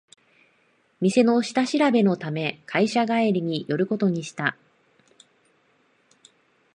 店の下調べのため会社帰りに寄ることにした